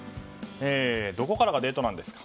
どこからがデートなんですか。